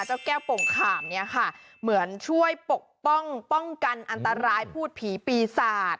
เจ้าแก้วโป่งขามเนี่ยค่ะเหมือนช่วยปกป้องป้องกันอันตรายพูดผีปีศาจ